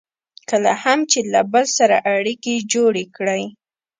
کله هم چې له بل سره اړیکې جوړې کړئ.